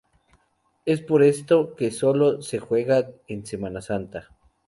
Es por esto por lo que sólo se juega en Semana Santa.